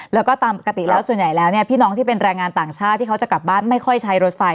แล้วก็ตามปกติแล้วส่วนใหญ่แล้วเนี่ยพี่น้องที่เป็นแรงงานต่างชาติที่เขาจะกลับบ้านไม่ค่อยใช้รถไฟ